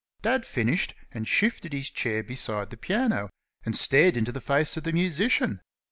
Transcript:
Dad finished, and shifted his chair beside the piano and stared into the face of the musician.